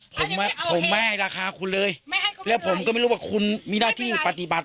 ผมผมไม่ให้ราคาคุณเลยแล้วผมก็ไม่รู้ว่าคุณมีหน้าที่ปฏิบัติ